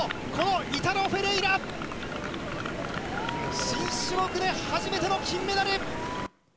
このイタロ・フェレイラ、新種目で初めての銀メダル。